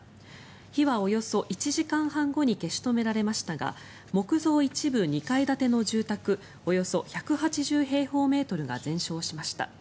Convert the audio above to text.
火はおよそ１時間半後に消し止められましたが木造一部２階建ての住宅およそ１８０平方メートルが全焼しました。